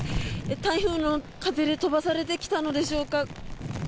台風の風で飛ばされてきたのでしょうか。